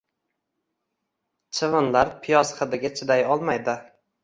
Chivinlar piyoz hidiga chiday olmaydi